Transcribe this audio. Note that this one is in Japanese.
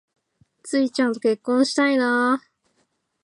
ツウィちゃんと結婚したいな